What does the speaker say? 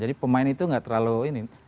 jadi pemain itu gak terlalu ini